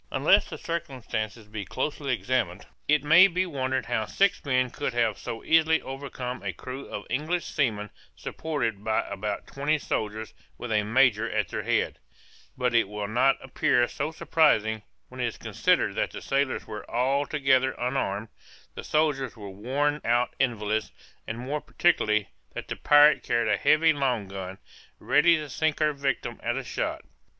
Unless the circumstances be closely examined, it may be wondered how six men could have so easily overcome a crew of English seamen supported by about twenty soldiers with a major at their head: but it will not appear so surprising, when it is considered that the sailors were altogether unarmed, the soldiers were worn out invalids, and more particularly, that the pirate carried a heavy long gun, ready to sink her victim at a shot.